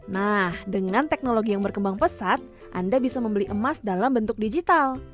nah dengan teknologi yang berkembang pesat anda bisa membeli emas dalam bentuk digital